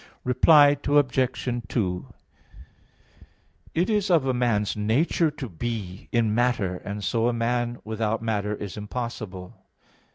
Reply Obj. 2: It is of a man's nature to be in matter, and so a man without matter is impossible.